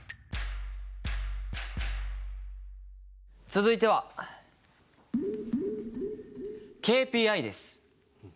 続いては「ＫＰＩ」です。